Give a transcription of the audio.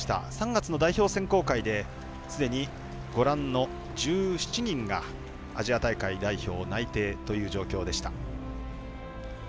３月の代表選考会ですでに、ご覧の１７人がアジア大会代表内定という状況でした。